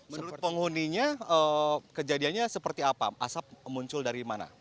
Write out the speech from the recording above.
menurut penghuninya kejadiannya seperti apa asap muncul dari mana